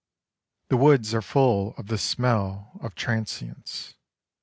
The woods are full of the smell of tran sience.